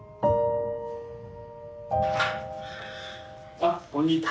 あっこんにちは。